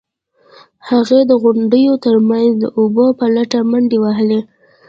هغې د غونډیو ترمنځ د اوبو په لټه منډې وهلې.